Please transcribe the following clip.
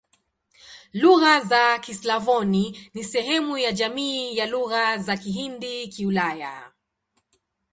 Lugha za Kislavoni ni sehemu ya jamii ya Lugha za Kihindi-Kiulaya.